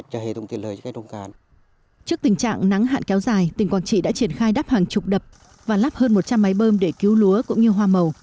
trước tình trạng nắng hạn kéo dài tỉnh quảng trị đã triển khai đắp hàng chục đập và lắp hơn một trăm linh máy bơm để cứu lúa cũng như hoa màu